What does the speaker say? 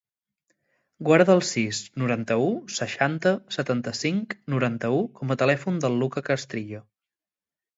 Guarda el sis, noranta-u, seixanta, setanta-cinc, noranta-u com a telèfon del Luka Castrillo.